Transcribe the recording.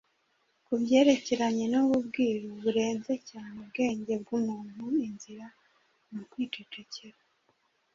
Ku byerekeranye n’ubu bwiru burenze cyane ubwenge bw’umuntu, icyiza ni ukwicecekera.